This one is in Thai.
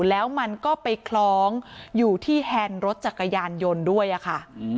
แล้วมันก็ไปคล้องอยู่ที่แฮนด์รถจักรยานยนต์ด้วยค่ะ